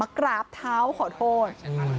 กราบเท้าขอโทษ